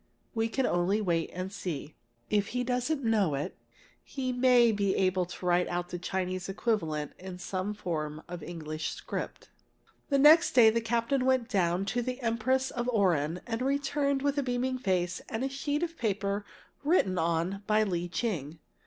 We can only wait and see. If he doesn't know it, he may be able to write out the Chinese equivalent in some form of English script." The next day the captain went down to the Empress of Oran and returned with a beaming face and a sheet of paper written on by Lee Ching.